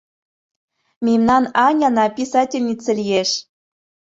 — Мемнан Аняна писательнице лиеш.